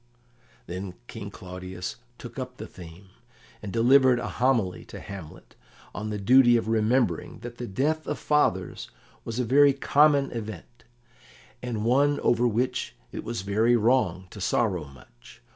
Then King Claudius took up the theme, and delivered a homily to Hamlet on the duty of remembering that the death of fathers was a very common event, and one over which it was very wrong to sorrow much.